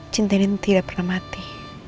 cinta ini tidak pernah mati